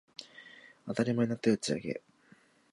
当たり前になった打ち上げ